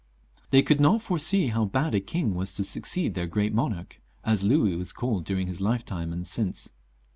They could not foresee how bad a king was to succeed their Great Monarch, as Louis was called during his lifetime and since.